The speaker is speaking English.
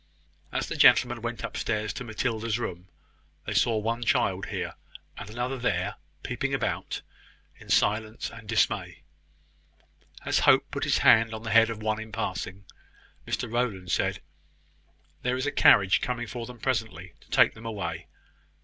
As the gentlemen went upstairs to Matilda's room, they saw one child here, and another there, peeping about, in silence and dismay. As Hope put his hand on the head of one in passing, Mr Rowland said: "There is a carriage coming for them presently, to take them away.